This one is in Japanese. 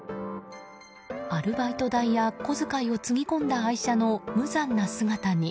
アルバイト代や小遣いをつぎ込んだ愛車の無残な姿に。